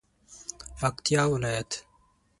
پکتیا ولایت